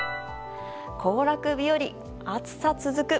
行楽日和、暑さ続く。